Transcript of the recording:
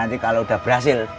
ntar lagi ajang